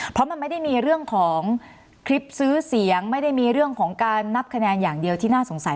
เพราะมันไม่ได้มีเรื่องของคลิปซื้อเสียงไม่ได้มีเรื่องของการนับคะแนนอย่างเดียวที่น่าสงสัย